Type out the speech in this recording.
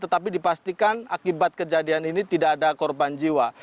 tetapi dipastikan akibat kejadian ini tidak ada korban jiwa